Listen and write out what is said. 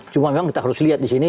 cuma memang kita harus lihat di sini